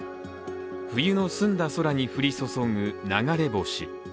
冬の澄んだ空に降り注ぐ流れ星。